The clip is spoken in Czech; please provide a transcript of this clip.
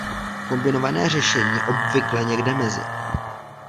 Kombinované řešení je obvykle někdy mezi.